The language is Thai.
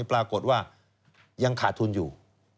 ปรากฏว่ายังขาดทุนอยู่